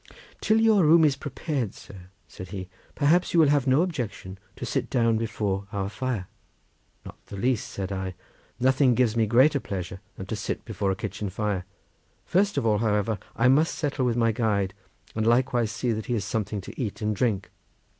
"Till your room is prepared, sir," said he, "perhaps you will have no objection to sit down before our fire?" "Not in the least," said I; "nothing gives me greater pleasure than to sit before a kitchen fire. First of all, however, I must settle with my guide, and likewise see that he has something to eat and drink."